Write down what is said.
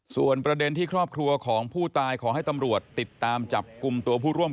ส่วนประเด็นที่ครอบครัวของผู้ตายขอให้ตำรวจติดตามจับกลุ่มตัวผู้ร่วม